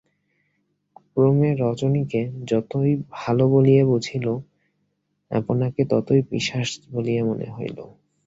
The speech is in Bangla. ক্রমে রজনীকে যতই ভালো বলিয়া বুঝিল, আপনাকে ততই পিশাচ বলিয়া মনে হইল।